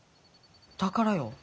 だからよ。